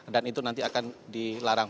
dan itu nanti akan dilarang